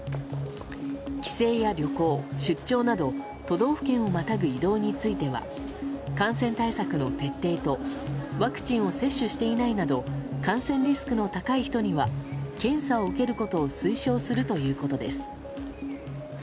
帰省や旅行、出張など都道府県をまたぐ移動については感染対策の徹底とワクチンを接種していないなど感染リスクの高い人には検査を受けることを推奨するということです。